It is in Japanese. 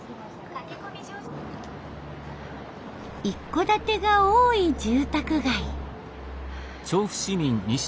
一戸建てが多い住宅街。